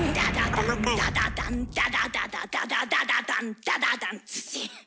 「ダダダンダダダンダダダダダダダダダン」ズシン！